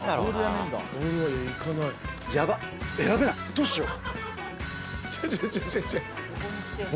どうしよう？